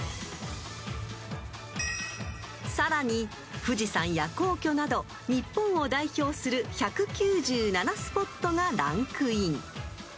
［さらに富士山や皇居など日本を代表する１９７スポットがランクイン］